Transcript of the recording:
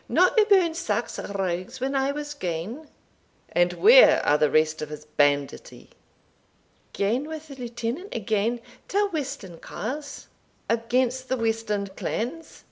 "Ou, no aboon sax rogues when I was gane." "And where are the rest of his banditti?" "Gane wi' the Lieutenant agane ta westland carles." "Against the westland clans?"